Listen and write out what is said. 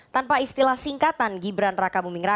tanpa istilah singkatan gibran raka buming raka